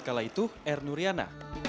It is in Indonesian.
kala itu ernuriana